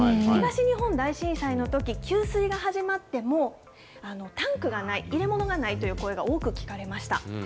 東日本大震災のとき、給水が始まっても、タンクがない、入れ物がないという声が多く聞かれました。